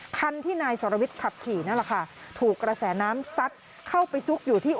คันที่นายสรวิทย์ขับขี่นั่นแหละค่ะถูกกระแสน้ำซัดเข้าไปซุกอยู่ที่